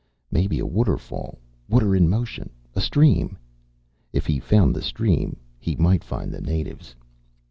Maybe a waterfall, water in motion. A stream. If he found the stream he might find the natives.